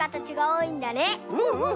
うんうん。